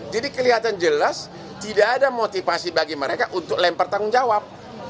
jadi kelihatan jelas tidak ada motivasi bagi mereka untuk lempar tanggung jawab